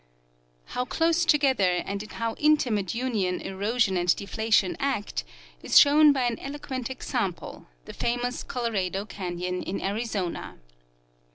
How close together and in how intimate union erosion and deflation act is shown by an eloquent exainple, the famous Colo rado canyon in Arizona.